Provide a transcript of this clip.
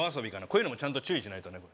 こういうのもちゃんと注意しないとね